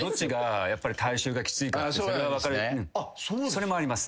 それもあります。